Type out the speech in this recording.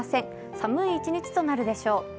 寒い一日となるでしょう。